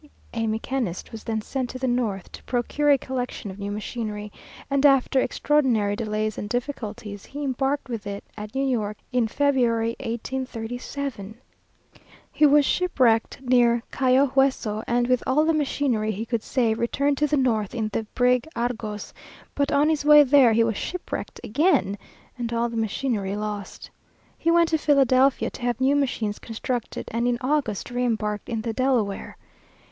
A mechanist was then sent to the north, to procure a collection of new machinery; and, after extraordinary delays and difficulties, he embarked with it at New York in February, 1837. He was shipwrecked near Cayo Hueso, and, with all the machinery he could save, returned to the north in the brig Argos; but on his way there he was shipwrecked again, and all the machinery lost! He went to Philadelphia, to have new machines constructed, and in August re embarked in the Delaware.